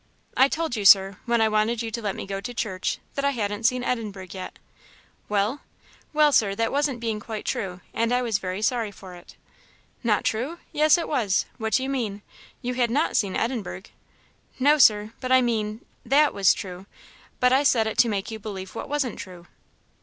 "I told you, Sir, when I wanted you to let me go to church, that I hadn't seen Edinburgh yet." "Well?" "Well, Sir, that wasn't being quite true; and I was very sorry for it." "Not true? Yes, it was; what do you mean? you had not seen Edinburgh." "No, Sir; but I mean that was true; but I said it to make you believe what wasn't true."